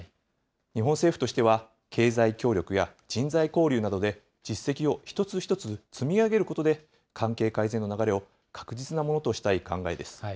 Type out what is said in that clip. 日本政府としては、経済協力や人材交流などで、実績を一つ一つ積み上げることで、関係改善の流れを確実なものとしたい考えです。